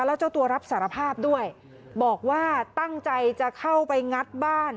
แล้วเจ้าตัวรับสารภาพด้วยบอกว่าตั้งใจจะเข้าไปงัดบ้าน